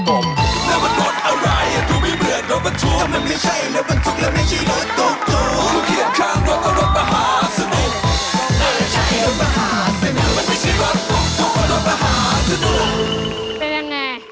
เป็นยังไง